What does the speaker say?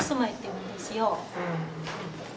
うん。